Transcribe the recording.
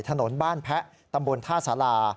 ถนนบ้านแพะตธาษารา